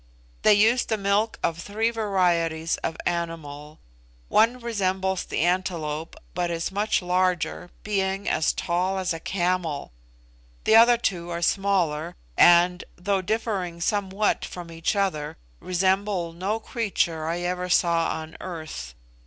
They use the milk of three varieties of animal: one resembles the antelope, but is much larger, being as tall as a camel; the other two are smaller, and, though differing somewhat from each other, resemble no creature I ever saw on earth.